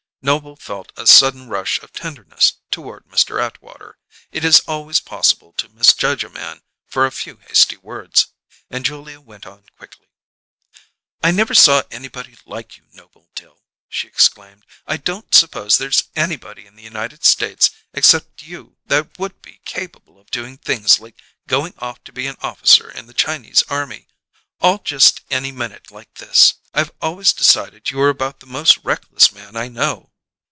Noble felt a sudden rush of tenderness toward Mr. Atwater; it is always possible to misjudge a man for a few hasty words. And Julia went on quickly: "I never saw anybody like you, Noble Dill!" she exclaimed. "I don't suppose there's anybody in the United States except you that would be capable of doing things like going off to be an officer in the Chinese army all just any minute like this. I've always declared you were about the most reckless man I know!"